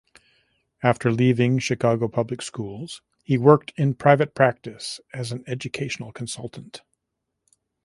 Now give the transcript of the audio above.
After leaving Chicago Public Schools he worked in private practice as an educational consultant.